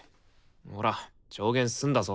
ほら調弦済んだぞ。